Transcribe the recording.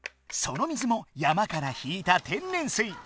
その水も山から引いた天然水。